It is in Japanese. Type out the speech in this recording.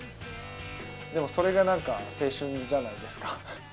でもそれがなんか青春じゃないですか。